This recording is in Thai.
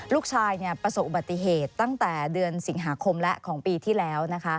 ประสบอุบัติเหตุตั้งแต่เดือนสิงหาคมและของปีที่แล้ว